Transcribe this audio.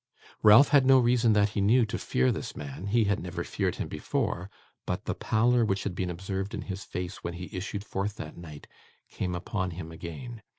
Ralph had no reason, that he knew, to fear this man; he had never feared him before; but the pallor which had been observed in his face when he issued forth that night, came upon him again.